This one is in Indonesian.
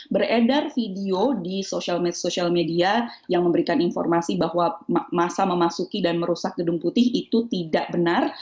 beredar video di sosial media yang memberikan informasi bahwa masa memasuki dan merusak gedung putih itu tidak benar